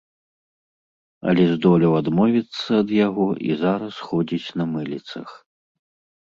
Але здолеў адмовіцца ад яго і зараз ходзіць на мыліцах.